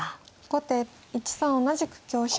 後手１三同じく香車。